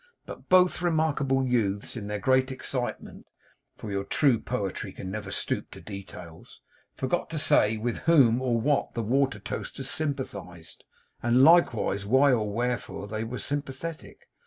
But both remarkable youths, in their great excitement (for your true poetry can never stoop to details), forgot to say with whom or what the Watertoasters sympathized, and likewise why or wherefore they were sympathetic.